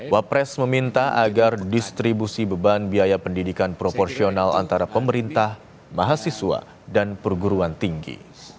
wapres meminta agar distribusi beban biaya pendidikan proporsional antara pemerintah mahasiswa dan perguruan tinggi